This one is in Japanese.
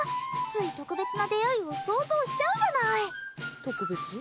つい特別な出会いを想像しちゃうじゃない特別？